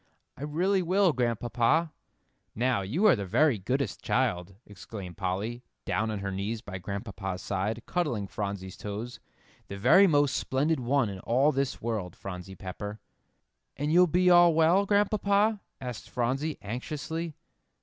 "I really will, Grandpapa." "Now, you are the very goodest child," exclaimed Polly, down on her knees by Grandpapa's side, cuddling Phronsie's toes, "the very most splendid one in all this world, Phronsie Pepper." "And you'll be all well, Grandpapa?" asked Phronsie, anxiously.